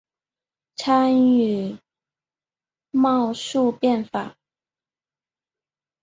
参与戊戌变法。